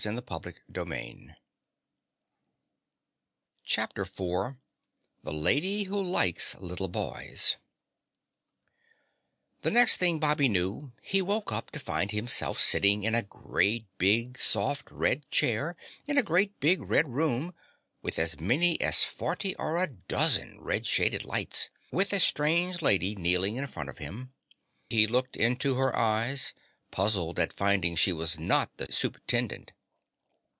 CHAPTER IV THE LADY WHO LIKES LITTLE BOYS The next thing Bobby knew, he woke up to find himself sitting in a great big, soft red chair in a great big, red room with as many as forty or a dozen red shaded lights, with a strange lady kneeling in front of him. He looked into her eyes, puzzled at finding she was not the Supe'tendent.